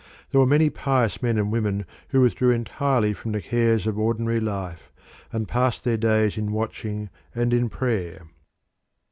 There were many pious men and women who withdrew entirely from the cares of ordinary life, and passed their days in watching and in prayer.